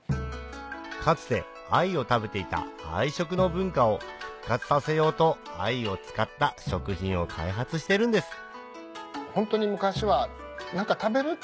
かつて藍を食べていた藍食の文化を復活させようと藍を使った食品を開発してるんですへぇ。